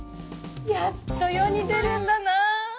やっと世に出るんだな！